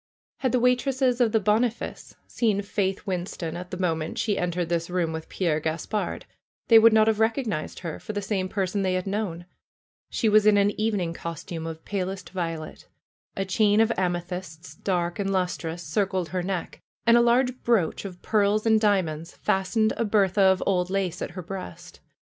Had the waitresses of the Boniface seen Faith Win 236 FAITH ston at the moment she entered this room with Pierre Gaspard they would not have recognized her for the same person they had known. She was in an evening costume of palest violet ; a chain of amethysts, dark and lustrous, encircled her neck, and a large brooch of pearls and diamonds fastened a bertha of old lace at her breast.